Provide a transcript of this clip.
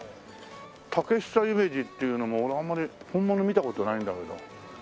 竹久夢二っていうのも俺あんまり本物見た事ないんだけど。